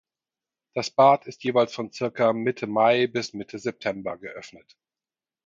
Das Bad ist jeweils von circa Mitte Mai bis Mitte September geöffnet.